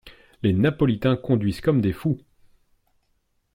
Les napolitains conduisent comme des fous!